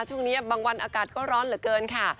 ช่วงนี้บางวันอากาศก็ร้อนเหลือเกินค่ะ